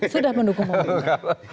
sudah mendukung pemerintah